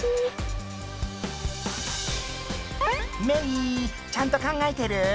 メイちゃんと考えてる？